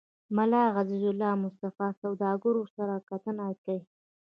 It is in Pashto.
ملا عزيزالله مصطفى سوداګرو سره کتنه کې